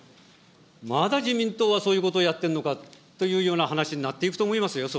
まだ自民党はそういうことをやってるのかというような話になっていくと思いますよ。